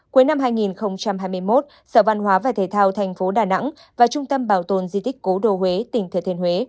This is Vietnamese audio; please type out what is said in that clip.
cuối năm hai nghìn hai mươi một sở văn hóa và thể thao tp đà nẵng và trung tâm bảo tồn di tích cố đô huế tỉnh thừa thiên huế